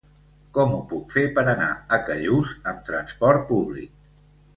Com ho puc fer per anar a Callús amb trasport públic?